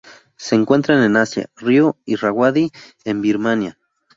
Se encuentran en Asia: río Irrawaddy en Birmania.